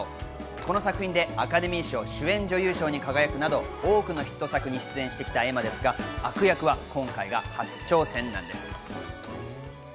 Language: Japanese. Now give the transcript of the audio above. この作品でアカデミー賞主演女優賞に輝くなど多くのヒット作に出演してきたエマですが、悪役は今回が初挑戦なんです。